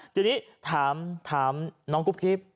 ทีนี้ถามน้องกุ๊กกิ๊บ